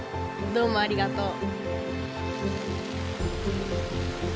どうもありがとう。